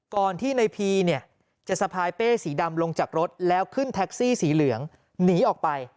ก่อนที่ในพีเนี่ยจะสะพายเป้สีดำลงจากรถแล้วขึ้นแท็กซี่สีเหลืองหนีออกไป